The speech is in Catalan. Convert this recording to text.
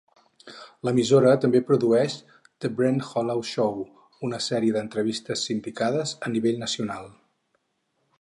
L'emissora també produeix "The Brent Holland Show", una sèrie d'entrevistes sindicades a nivell nacional.